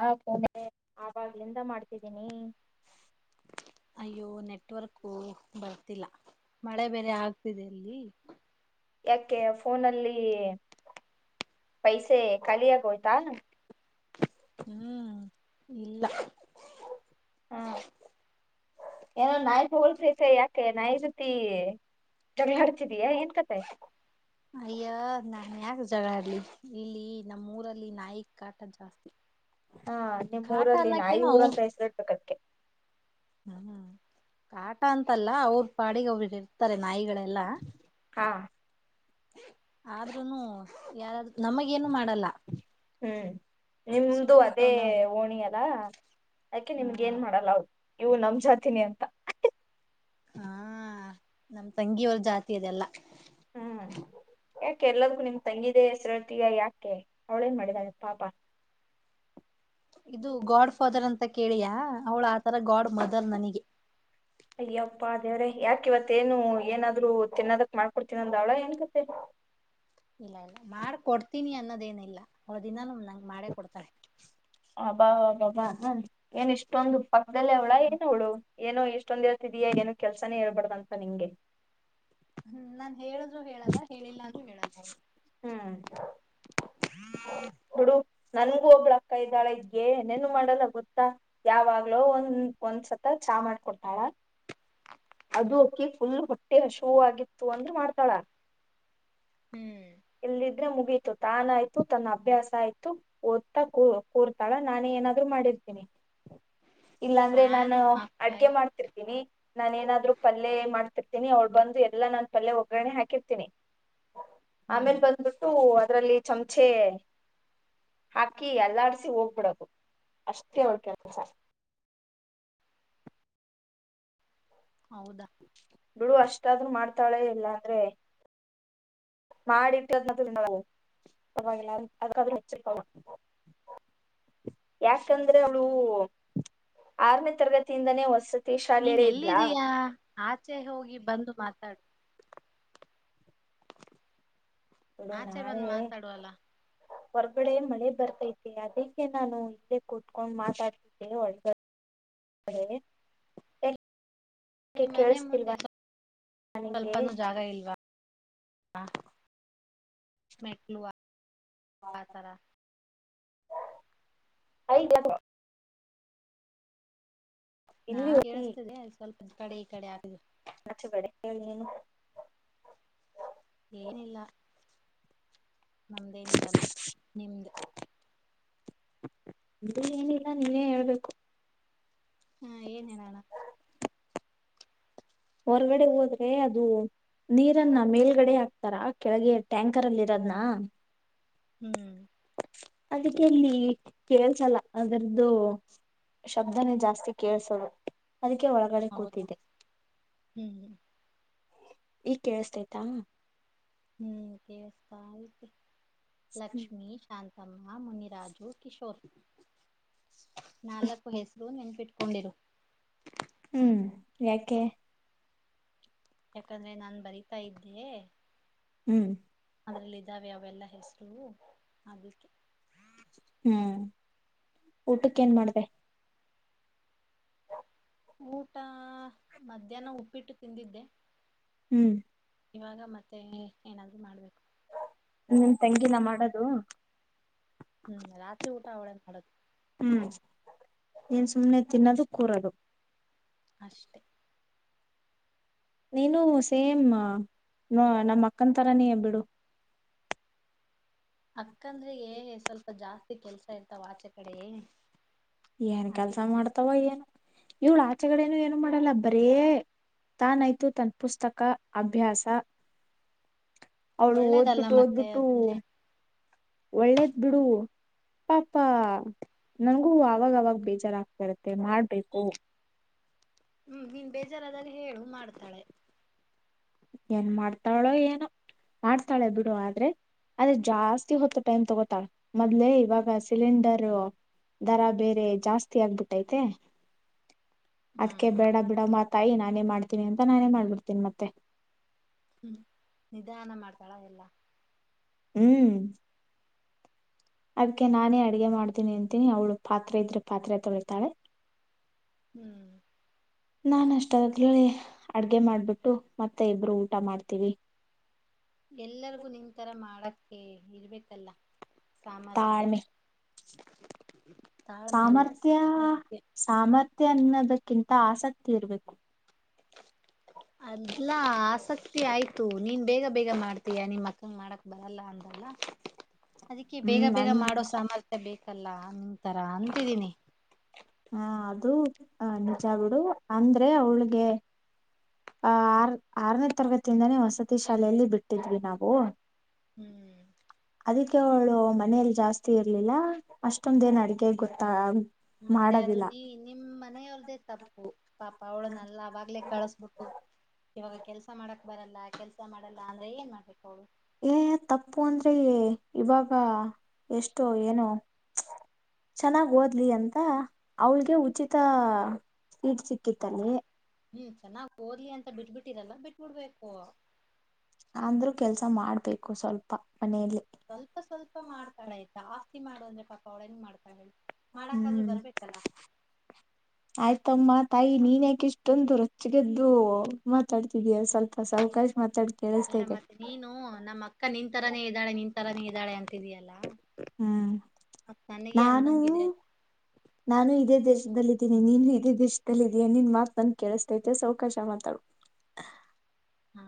ಹ [unintelligible] ಆವಾಗ್ಲಿಂದ ಮಾಡ್ತಿದ್ದೀನಿ. ಅಯ್ಯೋ ನೆಟ್ವರ್ಕ್ ಬರ್ತಿಲ್ಲ ಮಳೆ ಬೇರೆ ಆಗ್ತಿದೆ ಇಲ್ಲಿ. ಯಾಕೆ ಫೋನಲ್ಲಿ ಪೈಸೆ ಖಾಲಿ ಆಗೋಯ್ತಾ. ಹ್ಮ್ ಇಲ್ಲ. ಹಾ. ಏನೋ ನಾಯಿ ಬೊಗಳತೈತೈ ಯಾಕೆ ನಾಯಿ ಜೊತಿ. ಜಗಳ ಆಡ್ತಿದಿಯ ಏನ್ ಕತೆ. ಅಯ್ಯ ನಾನ್ ಯಾಕ ಜಗಳ ಅಡ್ಲಿ ಇಲ್ಲಿ ನಮ್ಮ ಊರಲ್ಲಿ ನಾಯಿ ಕಾಟ ಜಾಸ್ತಿ. ಹಾ ನಿಮ್ಮ್ ಕಾಟ ಊರಲ್ಲಿ ನಾಯಿ ಅನ್ನಕ್ಕೇನು ಊರಂತ ಹೆಸರಿ ಇಡ್ಬೇಕದಕ್ಕೆ. ಹ್ಮ. ಕಾಟ ಅಂತಲ್ಲ ಅವ್ರ ಪಾಡಿಗೆ ಅವರು ಇರ್ತಾರೆ ನಾಯಿಗಳೆಲ್ಲ. ಹಾ ಆದ್ರೂನು ಯಾರಾದೂ ನಮಗ ಏನು ಮಾಡಲ್ಲ. ಹ್ಮ್ ನಿಮ್ದು ಸುಮ್ನೆ ಇರ್ತಾವ ಅದೇ ನಾವು ಓಣಿಯಲ್ಲ ಅದಕ್ಕೆ ಹ ನಿಮ್ಗೆ ಏನ್ ಮಾಡಲ್ಲ ಅವು. ಇವು ನಮ್ ಜಾತಿನ ಅಂತ. ಹಾ ನಮ ತಂಗಿಯವರು ಜಾತಿ ಅದೆಲ್ಲಾ. ಹ್ಮ್ ಯಾಕೆ ಎಲ್ಲದ್ದಕ್ಕೂ ನಿಮ್ ತಂಗಿದೇ ಹೆಸರ ಹೇಳ್ತೀಯಾ ಯಾಕೆ ಅವ್ಳೇನ್ ಮಾಡಿದಾಳೆ ಪಾಪ. ಇದು ಗಾಡ್ ಫಾದರ್ ಅಂತ ಕೇಳಿಯಾ ಅವಳ ಆತರ ಗಾಡ್ ಮದರ್ ನನಗೆ ಅಯ್ಯಪ್ಪಾ ದೇವ್ರೆ ಯಾಕ ಇವತ್ೇನು ಏನಾದ್ರು ತಿನ್ನದಕ್ ಮಾಡ್ಕೊಡ್ತೀನ ಅಂದ ಅವ್ಳ ಏನ್ ಕತೆೆ ಇಲ್ಲ ಇಲ್ಲ ಮಾಡ್ಕ ಕೊಡ್ತೀನಿ ಅನ್ನೋದೇಏನ ಇಿಲ್ಲ ಹೊ ದಿನಾನ ನಂಗೆ ಮಾಡೇ ಕೊಡ್ತಾರೆ ಅಬಬಬ ಏನ್ ಇಷ್ಟೊಂದು ಪಕ್ಕದಲ್ಲ ಅವ್ಳ ಏನ ಅವ್ಳು ಏನೋ ಇಷ್ಟೊಂದ್ ಇರ್ತಿದಯಾ ಏನೋ ಕೆಲ್ಸಾನೇಳ್ಬಾರ್ದ ಅಂತ ನಿಂಗೆ ಹ್ಮ್ ನಾನ್ ಹೇಳ್ೂ ಹೇಳಲ್ಲ ಹೇಳಿಲ್ಲ ಅೂ ಹೇಳಲ್ಲ ಹ್ಮ್ ಹ್ಮ ಹುಡು ನನ್ಗೂ ಒಬ್ಳ ಅಕ್ಕಾಯ ಇದ್ದಾಳಗ್ಗೆ ಏನೇನು ಮಾಡಲ್ಲ ಗೊತ್ತಾ ಯಾವಾಗ್ಲೋ ಒಂದ ಒಂದ್ಸತ ಚಾ ಮಾಡ್ಕೊಡ್ತಾಳ ಅದು ಅಕ್ಕಿ ಫುಲ್ ಹೊಟ್ಟೆ ಹಶೂ ಆಗಿತ್ತು ಅಂದ್ರ ಮಾಡ್ತಾಳ ಹ್ಮ್ ಎಲ್ಲಿದ್ರೆ ಮುಗೀತು ತಾನಾಯಯ್ತು ತನ್ನ ಅಭ್ಯಾಸ ಆಯ್ತು ಓದ್ತಾ ಕೂ ಕೂರ್ತಾಳ ನಾನು ಏನಾದ್ರು ಮಾಡಿರ್ತೀನಿ ಇಲ್ಲಾಂದ್ರೆ ನಾನು ಫ್ಯಾನು ಹಾಕ್ತಾ ಅಡ್ಗೆ ಇದ್ದೆ. ಮಾಡ್ತಿರ್ತೀನಿ ನಾನ ಏನಾದ್ರು ಪಲ್ಯೆ ಮಾಡ್ತಿರ್ತನಿ ಅವ್ಳು ಬಂದು ಎಲ್ಲಾ ನಾನನ್ ಪಲ್ಯ ಒಗ್ಗರಣೆ ಹಾಕಿರ್ತೀನಿ ಹ್ಮ್ ಆಮೇಲೆ ಬಂದ್ಬಿಟ್ಟು ಅದರಲ್ಲಿ ಚಮಚೆ ಹಾಕಿ ಎಲ್ಲಾಡ್ಸಿ ಹೋಗ್ಬಿಡದು ಅಷ್ಟೇ ಒ ಕೆಲ್ಸ ಹೌದಾ ಬಿಡು ಅಷ್ಟಾದ್ರು ಮಾಡ್ತಾಳೆ ಇಲ್ಲ ಅಂದ್ರೆ [inaudible] ಯಾಕಂದ್ರೆ ಅವಳು ಆರನೇ ತರಗತಿಯಿಂದಾನೇ ಹೊಸ ನೀನ್ ಎಲ್ಲಿದ್ದೀಯಾ ಆಚೆ ಹೋಗಿ ಬಂದು ಮಾತಾಡು ಆಚೆ ಬಂದ್ ಮಾತಾಡುವಲ್ಲ ಹೊರ್ಗಡೆ ಮಳೆ ಬರ್ತೈತೆ ಅದಕ್ಕೆ ನಾನು ಇಲ್ಲೇ ಕುಟ್ಕೊಂಡ್ ಮಾತಾಡ್ತಿ [unintelligible] ನಿ ಮನೆ ಮುಂದೆ ನಿಂಗೆ? ಸ್ವಲ್ಪನು ಜಾಗ ಇಲ್ವಾ ಹಾ ಮೆಟ್ಲುವಾ ಐಗ ಇಲ್ಲಿ ನಾನ್ ಹೋತಿ ಕೇಳಿಸ್ತೇಿದೆ ಸ್ವಲ್ಪ ಕಡೆ ಈ ಕಡೆ ಆಗ ಮ ಚೆ ಬಡ ಹೇಳಿ ನೀ ಏನಿಲ್ಲ ನಮ್ದೇನಿರಲ್ಲ ಅ ಏನಿಲ್ಲ ನೀವೇ ಹೇಳ್ಬೇಕು ಹಾ ಏನ್ ಹೇಳನೋಣ ಹೊರಗಡೆ ಹೋದ್ರೆ ಅದು ನೀರನ್ನ ಮೇಲ್ಗಡೆ ಹಾಕ್ತಾರಾ ಕೆಳಗೆ ಟ್ಯಾಂಕರ್ ಅಲ್ಲಿ ಇರೋದ್ನಾ ಹ್ಮ್ ಅದಕ್ಕೆಲ್ಲಿ ಕೇಳ್ಸಲ್ಲ ಅದರ್ದು ಶಬ್ದನೇ ಜಾಸ್ತಿ ಕೇಳಸೋದು ಅದಕ್ಕೆ ಒಳಗಡೆ ಹೌದಾ ಕೂತಿದೆ ಹ್ಮ್ ಈಗ್ ಕೇಳಸ್ತೈತಾ ಹ್ಮ್ ದೇವೇಶಪಾಲ ಲಕ್ಷ್ಮೀ ಶಾಂತಮ್ಮ ಮುನಿರಾಜು ಕಿಶೋರ್ ನಾಲ್ಕು ಹೆಸರು ನೆನಪಿಟ್ಕೋ ಕುಂದಿರು ಹ್ಮ್ ಯಾಕೆ ಯಾಕಂದ್ರೆ ನಾನ್ ಬರೀತಾ ಇದ್ದೆ ಹ್ಞೂ ಅದ್ರಲ್ಲಿ ಇದ್ದಾವೆ ಅವೆಲ್ಲಾ ಹೆಸರು ಅದಕ್ಕೆ ಹ್ಮ್ ಊಟಕ್ಕೆ ಏನ್ ಮಾಡದೇ ಊಟ ಮಧ್ಯಾಹ್ನ ಉಪ್ಪಿಟ್ಟು ತಿಂದಿದ್ದೆ ಹ್ಮ್ ಇವಾಗ ಮತ್ತೆ ಏನಾದ್ರು ಮಾಡ್ಬೇಕು ನಿಮ್ ತೆಂಗಿನ ಮಾಡೋದು ಹ್ಮ್ ರಾತ್ರಿ ಊಟಾ ಅವಳೇ ಮಾಡೋದು ಹ್ಮ್ ಏನ್ ಸುಮ್ನೆ ತಿನ್ನೋದು ಕೂರೋದು ಅಷ್ಟೇ ನೀನು ಸೇಮ್ ನಮ್ಮ ಅಕ್ಕನ್ ತರಾನ ಬಿಡು ಅಕ್ಕಂದ್ರಗೆ ಸ್ವಲ್ಪ ಜಾಸ್ತಿ ಕೆಲ್ಸ ಇರ್ತಾವ ಆಚೆ ಕಡೆಯೇ ಏನ್ ಕೆಲ್ಸ ಮಾಡ್ತಾವ ಏನು ಇವಳ ಆಚೆಗಡೇನು ಏನು ಮಾಡಲ್ಲ ಬರೇ ತಾನಾಯ್ತು ತನ್ನ ಪುಸ್ತಕ ಅಭ್ಯಾಸಾ ಅವಳು ಒಳ್ಳೇದಲ್ಲ ಓದ್ಬಿಟ್ಟು ಮತ್ತೆ ಓದ್ಬಿಟ್ಟು ಅದನ್ನೇ ಒಳ್ಳೇದ್ ಬಿಡು ಪಾಪಾ ನಂಗೂ ಅವಾಗವಾಗ ಬೇಜಾರಾಗತಾ ಇರತ್ತೆ ಮಾಡ್ಬೇಕು ಹ್ಮ್ ನೀನ್ ಬೇಜಾರಾದಾಗ ಹೇಳು ಮಾಡ್ತಾಳೆ ಏನ್ ಮಾಡ್ತಾಳೋ ಏನು ಮಾಡ್ತಾಳೆ ಬಿಡು ಆದ್ರೆ ಆದರೆ ಜಾಸ್ತಿ ಹೊತ್ತು ಟೈಮ್ ತಗೋತಳೇ ಮೊದ್ಲೆೇ ಇವಾಗ ಸಿಲಿಂಡರು ದರ ಬೇರೆ ಜಾಸ್ತಿ ಆಗ್ಬಿಟ್ಟೈತೆ ಅದ್ಕ ಹ್ಮ್ ಬೇಡ ಬಿಡ ಮಾತಾಯಿ ನಾನೇ ಮಾಡ್ತೀನಿ ಅಂತ ನಾನೇ ಮಾಡ್ಬಿಡ್ತೇನಿ ಮತ್ತೆ ಹ್ಮ್ ನಿಧಾನ ಮಾಡ್ತಾಳ ಎಲ್ಲಾ ಹ್ಮ್ ಅದಕ್ಕೆ ನಾನೇ ಅಡಗೆ ಮಾಡ್ತೀನಿ ಅಂತೀನಿ ಅವ್ಳು ಪಾತ್ರೆ ಇದ್ರೆ ಪಾತ್ರೆ ತೊಳಿತಾಳೆ ಹ್ಮ್ [inaudible] ನಾನ್ ಅಷ್ಟದಾದ ಹೇಳಿ ಅಡ್ಗೆ ಮಾಡ್ಬಿಟ್ಟು ಮತ್ತೆ ಇಬ್ರು ಊಟ ಮಾಡ್ತೀವಿ ಎಲ್ಲರಿಗು ನಿನ್ಂತರ ಮಾಡಕ ಇರ್ಬೇಕಲ್ಲ ಸಾಮರ್ಥ್ಯ ತಾಳ್ಮೆ ತಾಳ್ಮೆಲ್ಲ ಸಾಮರ್ಥ್ಯ ಸಾಮರ್ಥ್ಯ ಸಾಮರ್ಥ್ಯ ಅನ್ನೋದಕ್ಕಿಂತ ಆಸಕ್ತಿ ಇರ್ಬೇಕು ಅದಲ್ಲಾ ಆಸಕ್ತಿ ಆಯ್ತು ನೀನ್ ಬೇಗ ಬೇಗ ಮಾಡ್ತೀಯಾ ನಿಮಕ್ಕಂಗ ಮಾಡಕ್ ಬರಲ್ಲ ಅಂತಲ್ಲ ಅದಕ್ಕೆ ಬೇಗ ಹ್ಮ್ ಬೇಗ ನನ್ ಮಾಡೋ ಸಾಮರ್ಥ್ಯ ಬೇಕಲ್ಲ ನಿಂತರ ಅಂತಿದೀನಿ ಹಾ ಅದು ಆ ನಿಜ ಬಿಡು ಅಂದ್ರೆ ಅವಳಿಗೆ ಆಹ ಆರ್ ಆರನೇ ತರಗತಿಯಿಂದಾನೇ ವಸತಿ ಶಾಲೆಯಲ್ಲಿ ಬಿಟ್ಟಿದ್ವಿ ನಾವು ಹ್ಮ್ ಅದಕ್ಕೆ ಅವಳು ಮನೇಲಿ ಜಾಸ್ತಿ ಇರ್ಲಿಲ್ಲ ಅಷ್ಟೊಂದೇನ್ ಅಡಗೆ ಗೊತ್ತ ಮತ್ತೆ ಅದು ನೀ ನಿಮ್ಮ್ ಮನೆಯವ್ರದೆೇ ತಪ್ಪು ಪಾಪ ಅವಳು ನಲ್ಲ ಅವಾಗ್ಲೇ ಕಳಸ್ಬಿಟ್ಟು ಇವಾಗ ಕೆಲ್ಸ ಮಾಡಕ್ ಬರಲ್ಲ ಕೆಲ್ಸ ಮಾಡಲ್ಲ ಅಂದ್ರೆ ಏನ್ ಮಾಡ್ಬೇಕು ಅವಳು ಏ ತಪ್ಪು ಅಂದ್ರೆ ಇವಾಗ ಎಷ್ಟೋ ಏನೋ ಚೆನ್ನಾಗಿ ಓದ್ಲಿ ಅಂತ ಅವಳಿಗೆ ಉಚಿತ ಸೀಟ್ ಸಿಕ್ಕಿತ್ತಲ್ಲಿ ಹ್ಮ್ ಚೆನ್ನ್ ಓದ್ಲಿ ಅಂತ ಬಿಟ್ಬ ಬಿಟ್ಟಿರಲ್ಲ ಬಿಟ್ಬ ಬಿಡ್ಬೇಕು ಅಂದ್ರು ಕೆಲ್ಸ ಮಾಡ್ಬೇಕು ಸ್ವಲ್ಪ ಮನೆಯಲ್ಲಿ ಸ್ವಲ್ಪ ಸ್ವಲ್ಪ ಮಾಡ್ತಾಳ ಆಯ್ತ ಜಸ್ತಿ ಮಾಡು ಅಂದ್ರೆ ಪಾಪ ಅವಳ ಹೆಂಗ ಮಾಡ್ತಾಳ ಮಾಡಕಾದೃ ಹ್ಮ್ ಬರ್ಬೇಕಲ್ಲ [inaudible] ಆಯ್ತಮ್ಮ ತಾಯಿ ನೀನ್ ಯಾಕೆ ಇಷ್ಟೊಂದು ರೊಚ್ಚಿಗೆದ್ದು ಮಾತಾಡ್ತಿದೀಯ ಸ್ವಲ್ಪ ಸ ಅವಕಾಶ ಮಾತಾಡ್ ಅಲ್ಲ ಕೇಳಿಸ್ತೈತೆ ಮತ್ತೆ ನೀನು ನಮ್ಮ ಅಕ್ಕ ನಿನ್ ತರಾನೇ ಇದ್ದಾಳೆ ನಿನ್ ತರಾನೇ ಇದ್ದಾಳೆ ಅಂತಿದಯಲ್ಲ ಹ್ಮ್ ಮತ್ತ ನನಗೆ ನಾನು ಅಂದಂಗಿದೆ ನಾನು ಇದೇ ದೇಶದಲ್ಲಿದ್ದೀನಿ ನೀನು ಇದೇ ದೇಶದದಲ್ಲಿ ಇದೀಯಾ ನಿನ್ ಮಾತ್ ನನ್ ಕೇಳಿಸತೈತೆ ಸೌಕಾಶ ಮಾತಡೂ ಹಾ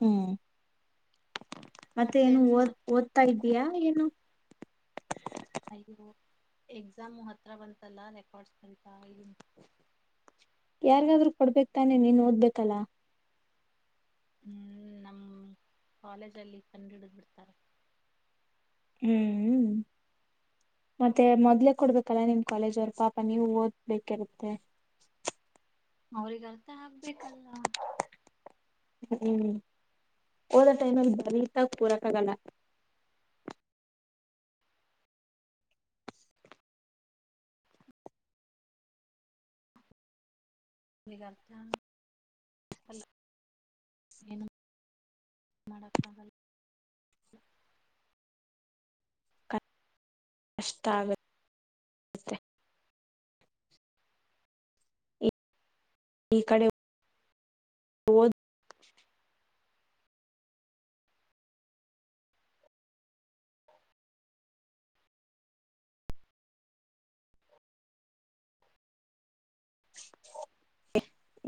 ಹ್ಮ್ ಮತ್ತೆ ಏನು ಮತ್ತೇನ್ ಓದ ಸಮಾಚಾರ? ಓದ್ತಾ ಇದ್ದೀಯಾ ಏನು ಅಯ್ಯೋ ಎಕ್ಸಾಮು ಹತ್ರ ಬಂತಲ್ಲಾ ರೆಕಾರ್ಡ್ಸ್ ಬಂತಾ ಇ. ಯಾರ್ಗಾದ್ರ್ೂ ಕೊಡ್ಬೇಕಕ್ ತಾನೆ ನೀನ್ ಓದ್ಬೇಕಲ್ಲಾ. ಹ್ಮ್ ನಮ್ಮ ಕಾಲೇಜಲ್ಲಿ ಕಂಡ ಹಿಡಿದು ಬಿಿಡ್ತಾರೆ. ಹ್ಮ್. ಮತ್ತೆ ಮೊದ್ಲೇ ಕೊಡ್ಬೇಕಲ್ಲ ನಿಮ್ ಕಾಲೇಜ್ ಅವರು ಪಾಪ ನೀವು ಓದ್ಬೇಕಿರುತ್ತೆ. ಅವ್ರಗ್ ಅರ್ಥ ಹಾಕ್ಬೇಕಲ್ಲ ಹ್ಮ ಒದ ಟೈಮ ಬಳ ತ ಪೂರಾಕಾಗಲ್ಲ ತಲೋಏನು ಮಾಡಕ್ಕ ಬಲ್ಲ ಅಷ್ಟಾವ ಈ ಕಡೆ ಓದ್ [inaudible]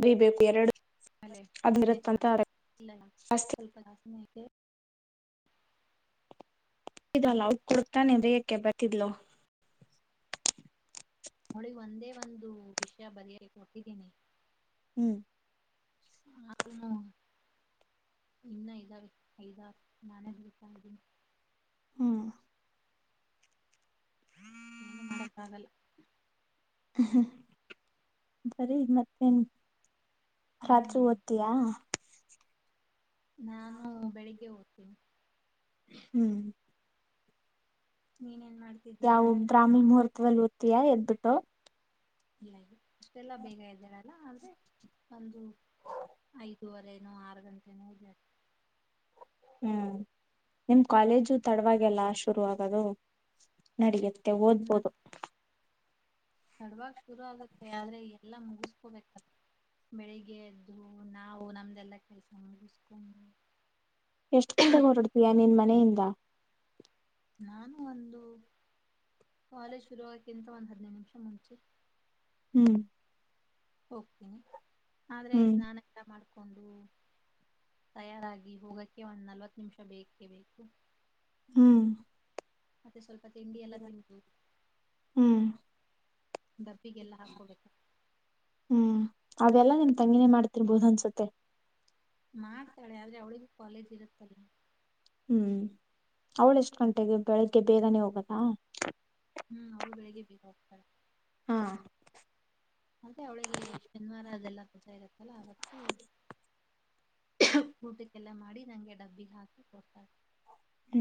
ಬಿೀ ಬು ಎರಡು ಅಲ್ಲೇ ತಿನಚ ಅದಿರುತ್ತಂತ ಇಲ್ಲ ಜಾಸ್ತಿ ಸ್ವಲ್ಪಾಸನ ಇದಲ್ಲ ಅವ ಕೊಡ್ತಾನೆ ಬೇಯಕ್ಕೆ ಬರ್ತಿದ್ಲು ಹೋಳಿ ಒಂದೇ ಒಂದು ವಿಷಯ ಬರಿಿಯಾಗಿ ಕೊಟ್ಟಿದ್ದೀನಿ ಹ್ಮ್ ಆನು ಇನ್ನು ಐದಾರ್ು ಐದಾರ್ ನಾನೇ ಬಿಡ್ತಾ ಇದ್ದೀನಿ ಹ್ಮ್ ಮಕಾಗಲ್ಲ ಹ್ಮ್ ಬರೀ ಮತ್ತೆನ್ ರಾತ್ರಿ ಹ್ಮ್ ಓದ್ತೀಯಾ ನಾನು ಬೆಳಿಗ್ಗೆ ಹೋಗ್ತೀನಿ ಹ್ಮ್ ನೀನೇನ್ ಮಾಡ್ ಯಾವವು ಬ್ರಾಹ್ಮಣ ಮುಹೂರ್ತವ ಅ ದ್ತಯಾ ಎದ್ಬಿಟ್ಟು ಇಲ್ಲ ಅಷ್ಟೆಲ್ಲ ಬೇಗ ಇದ್ದಾರೆ ಆದ್ರೆ ಒಂದು ಐದೂುವರೆೇನೋ ಆರು ಗಂಟೆನೋ ಜ ಹ್ಮ್ ನಿಮ ಕಾಲೇಜು ತಡವಾಗಿಲ್ಲ ಶುರು ಆಗೋದು ನಡಿಯತ್ತೆ ಓದ್ಬೋದು ತಡವಾಗಿಾಗ ಶುರು ಆಗುತ್ತೆ ಆದ್ರೆ ಎಲ್ಲಾ ಮುಗಿಸ್ಕೋಬೇಕಲ್ಲ ಬೆಳಿಗ್ಗೆ ಎದ್ದು ನಾವು ನಮ್ದಲ್ಲಾ ಕೆಲ್ಸ ಮುಗಿಸ್ಕೊಂಡ ಎಷ್ಟು ಗಂಟೆಗೆ ಹೊರಡ್ತೀಯಾ ನೀನ್ ಮನೆಯಿಂದ ನಾನು ಒಂದು ಕಾಲೇಜ್ ಶುರುವಕ್ಕಿಂತ ಒಂದು ಹದ್ಿನೈದು ನಿಮಿಷ ಮುಂಚೆ ಹ್ಮ್ ಹೋಗ್ತೀನಿ ಆದ್ರೆ ಹ್ಮ್ ಸ್ನಾನ ಊಟ ಮಾಡ್ಕೊಂಡು ತಯಾರಾಗಿ ಹೋಗಕ್ಕೆ ಒಂದ್ ನಲ್ವತ್ತು ನಿಮಿಷ ಬೇಕೇ ಬೇಕು ಹೂ ಮತ್ತೆ ಸ್ವಲ್ಪ ತಿಂಡಿ ಎಲ್ಲಾ ತಿಂದು. [inaudible] ಹ್ಮ್ ಡಬ್ಬಿಗ ಎಲ್ಲಾ ಹಾಕೋ ಬೇಕು. [inaudible] ಹು ಅವೆಲ್ಲಾ ನಿನ್ನ ತಂಗಿನೇ ಮಾಡ್ತಿರ್ಬೋದ ಅನ್ಸುತ್ತೆ. [inaudible] ಮಾಡ್ತಾಳೆ ಆದ್ರೆ ಅವಳಿಗೂ ಕಾಲೇಜ್ ಇರುತ್ತಲ್ಲ. [inaudible] ಹು ಅವಳ ಎಷ್ಟ ಗಂಟೆಗೆ ಬೆಳಿಗ್ಗೆ ಬೇಗನೆ ಹೋಗದಾ? [inaudible] ಹೂ ಅವಳು ಬೆಳಗ್ಗೆ ಬೇಗ ಹೋಗ್ತಾಳೆ. [inaudible] ಹ [inaudible] ಮತ್ತೆ ಅವಳಿಗೆ ಶನಿವಾರ ಅದೆಲ್ಲ ರಜೆ ಇರುತ್ತಲ್ಲ ಅವತ್ತು, [inaudible] ಊಟಕ್ಕೆಲ್ಲ ಮಾಡಿ ನಂಗೆ ಡಬ್ಬಿಗೆ ಹಾಕಿ ಕೊಡ್ತಾರೆ. [inaudible] ಹೂ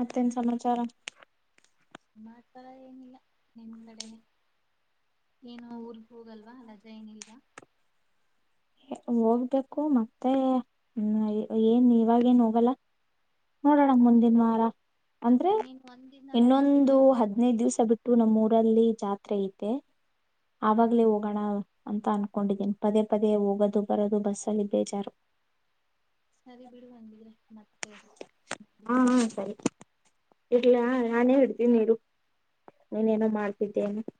ಮತ್ತೇನ ಸಮಾಚಾರ? [inaudible] ಮತ್ತ ಏನಿಲ್ಲ ನಿಮ್ಮ ಕಡೆನೇ, [inaudible] ಏನ್ ಊರಗೇ ಹೋಗಲ್ವಾ ರಜಾ ಏನಿಲ್ವಾ? ಹೋಗ್ಬೇಕು ಮತ್ತೆ ಇನ್ ಯ ಏನ್ ಇವಾಗೇನ್ ಹೋಗಲ್ಲ? [inaudible] ನೋಡೋಣ ಮುಂದಿನ ವಾರ ಅಂದ್ರೆ ನೀನ್ ಒಂದಿನ ರಜಾ ಸಿಕ್ ಇನ್ನೊಂದು ಹದನೈದ ದಿವ್ಸ ಬಿಟ್ಟ ಟು ನಮ್ಮ ಊರಲ್ಲಿ ಜಾತ್ರೆ ಐತೆ ಹ್ಮ್ ಆವಾಗಲೇ ಹೋಗೋಣ ಅಂತ ಅನ್ಕೊಂಡಿದ್ದೀನಿ ಪದೇ ಪದೇ ಹೋಗದು ಬರದು ಬಸ್ಸಲ್ಲಿ ಬೇಜಾರು [inaudible] ಸರಿ ಬಿಡು ಹಿಂಗ ಇದ್ರೆ ಮತ್ತೆ ಯವಾಗಲ್ಲ ಆದ್ರೂ [inaudible] ಇಡ್ಲ ನಾನೇ ಹಡ್ತೀನಿ ಇರು ಹ್ಮ್ ನೀನೇನೋ ಮಾಡ್ತಿದ್ದೇ ಏನೋ? [inaudible]